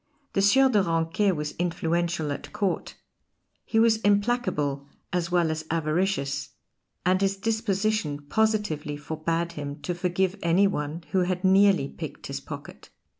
The Sieur de Ranquet was influential at Court; he was implacable as well as avaricious, and his disposition positively forbade him to forgive any one who had nearly picked his pocket.